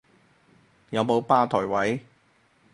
有冇吧枱位？